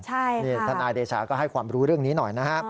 ใช่ค่ะนี่ทนายเดชาก็ให้ความรู้เรื่องนี้หน่อยนะฮะ